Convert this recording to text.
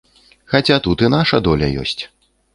Хаця тут і наша доля ёсць.